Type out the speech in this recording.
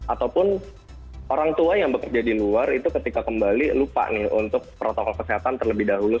ataupun orang tua yang bekerja di luar itu ketika kembali lupa nih untuk protokol kesehatan terlebih dahulu